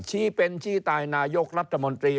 ชี้เป็นชี้ตายนายกรัฐมนตรี